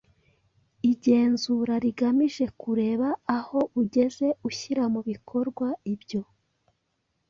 Igenzura rigamije kureba aho ugeze ushyira mu bikorwa ibyo